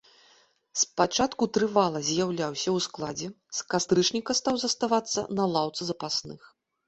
Спачатку трывала з'яўляўся ў складзе, з кастрычніка стаў заставацца на лаўцы запасных.